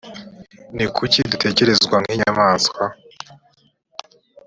ni kuki dutekerezwa nk’inyamaswa?